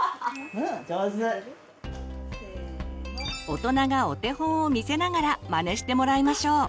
大人がお手本を見せながらマネしてもらいましょう。